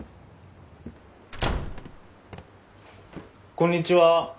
こんにちは。